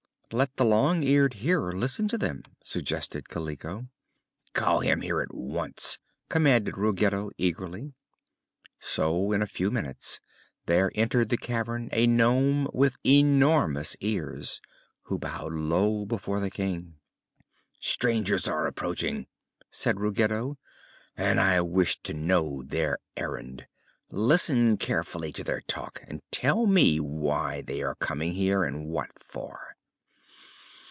"Let the Long Eared Hearer listen to them," suggested Kaliko. "Call him here at once!" commanded Ruggedo eagerly. So in a few minutes there entered the cavern a nome with enormous ears, who bowed low before the King. "Strangers are approaching," said Ruggedo, "and I wish to know their errand. Listen carefully to their talk and tell me why they are coming here, and what for."